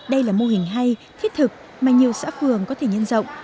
đây là mô hình hay thiết thực mà nhiều xã phường có thể nhân rộng